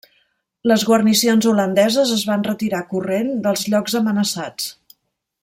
Les guarnicions holandeses es van retirar corrent dels llocs amenaçats.